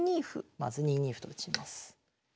まず２二歩と打ちます。